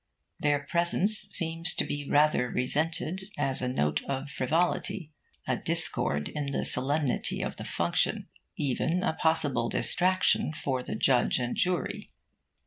Their presence seems to be rather resented as a note of frivolity, a discord in the solemnity of the function, even a possible distraction for the judge and jury.